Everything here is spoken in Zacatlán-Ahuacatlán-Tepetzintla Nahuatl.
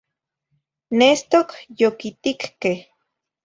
Nestocyoquiticqueh